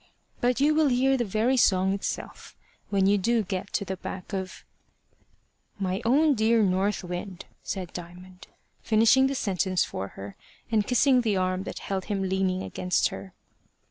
But you will hear the very song itself when you do get to the back of " "My own dear North Wind," said Diamond, finishing the sentence for her, and kissing the arm that held him leaning against her.